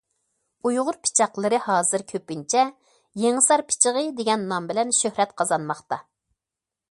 ئۇيغۇر پىچاقلىرى ھازىر كۆپىنچە‹‹ يېڭىسار پىچىقى›› دېگەن نام بىلەن شۆھرەت قازانماقتا.